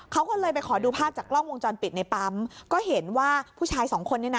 เขาก็เลยไปขอดูภาพจากกล้องวงจรปิดในปั๊มก็เห็นว่าผู้ชายสองคนเนี่ยนะ